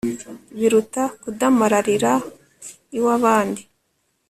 biruta kudamararira iw'abandi